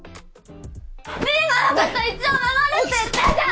りんごのこと一生守るって言ったじゃん！